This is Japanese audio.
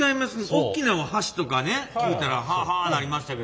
大きな橋とかね聞いたら「はは」なりましたけど。